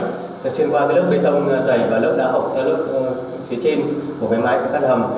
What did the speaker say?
thật sự qua cái lớp bê tông dày và lớp đá hộp ra lớp phía trên của cái mái của căn hầm